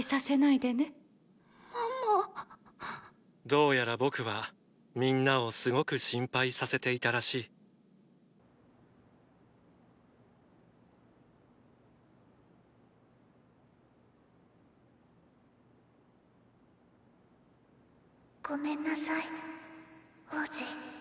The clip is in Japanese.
どうやら僕はみんなをすごく心配させていたらしいごめんなさい王子。